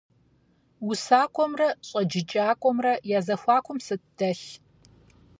УсакӀуэмрэ щӀэджыкӀакӀуэмрэ я зэхуакум сыт дэлъ?